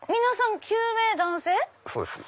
皆さん９名男性？